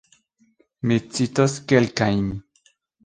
Mi citos kelkajn.